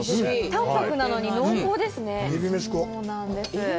淡泊なのに濃厚ですねえび